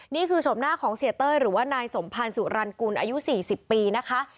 ชมหน้าของเสียเต้ยหรือว่านายสมพันธ์สุรรณกุลอายุ๔๐ปีนะคะ